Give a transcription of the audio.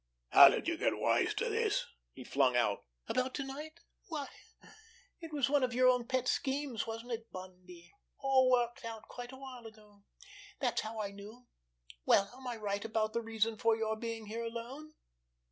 "How did you get wise to this?" he flung out. "About to night? Why, it was one of your own pet schemes, wasn't it, Bundy—all worked out quite a while ago? That's how I knew! Well, am I right about the reason for you being here alone?